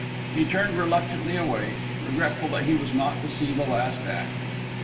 He turned reluctantly away, regretful that he was not to see the last act.